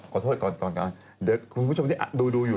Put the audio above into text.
ขอโทษก่อนเดี๋ยวคุณผู้ชมที่ดูอยู่